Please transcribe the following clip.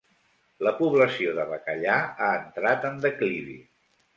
La població de bacallà ha entrat en declivi.